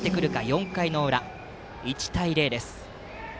４回の裏１対０です。